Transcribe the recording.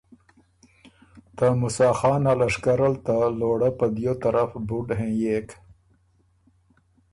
ته موسیٰ خان ا لشکر ال ته لوړۀ په دیو طرف بُډ هېنيېک